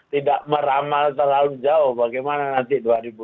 tidak meramal terlalu jauh bagaimana nanti dua ribu dua puluh